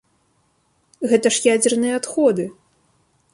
Гэта ж ядзерныя адходы!